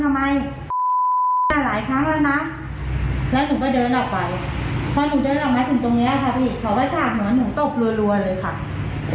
ถ้าหนูเดินออกมาถึงตรงเนี้ยครับอีกเขาก็ชาบหนูหนูตบรัวเลยค่ะ